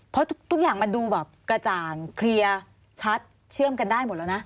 เพราะทุกอย่างมันดูแบบกระจ่างเคลียร์ชัดเชื่อมกันได้หมดแล้วนะ